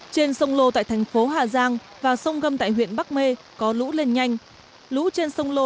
trên sông lô tại thành phố hà giang và sông gâm tại huyện bắc mê có lũ lên nhanh lũ trên sông lô